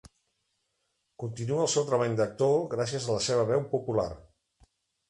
Contínua el seu treball d'actor gràcies a la seva veu popular.